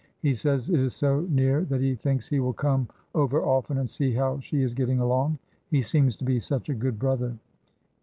He says it is so near that he thinks he will come over often and see how she is getting along. He seems to be such a good brother.